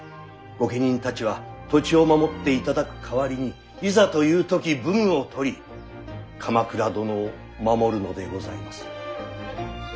御家人たちは土地を守っていただく代わりにいざという時武具を取り鎌倉殿を守るのでございます。